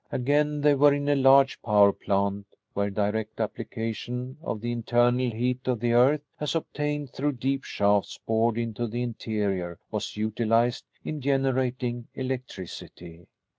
Again they were in a large power plant where direct application of the internal heat of the earth as obtained through deep shafts bored into the interior was utilized in generating electricity.